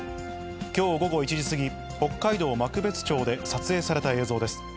きょう午後１時過ぎ、北海道幕別町で撮影された映像です。